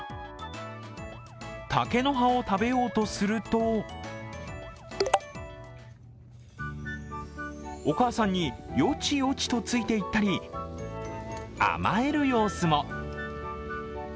竹の葉を食べようとするとお母さんによちよちとついていったり、甘える様子も。